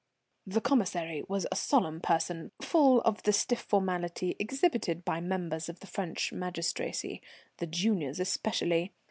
The Commissary was a solemn person, full of the stiff formality exhibited by members of the French magistracy, the juniors especially.